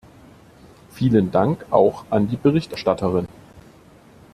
Vielen Dank auch an die Berichterstatterin!